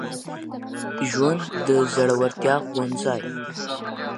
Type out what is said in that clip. ژوند د زړورتیا ښوونځی